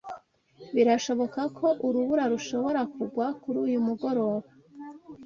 Birashoboka ko urubura rushobora kugwa kuri uyu mugoroba.